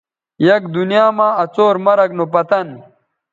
یک دنیاں مہ آ څور مرگ نو پتن